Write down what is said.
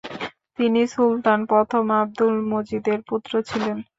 তিনি সুলতান প্রথম আবদুল মজিদের পুত্র ছিলেন।